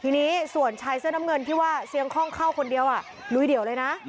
ทีนี้ส่วนชายเสื้อน้ำเงินที่ว่าเสียงคล่องเข้าคนเดียวลุยเดี่ยวเลยนะ